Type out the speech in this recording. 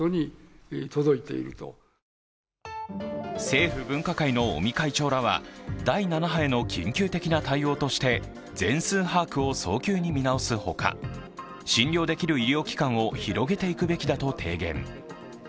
政府分科会の尾身会長らは第７波への緊急的な対応として全数把握を早急に見直すほか、診療できる医療機関を広げていくべきだと提言。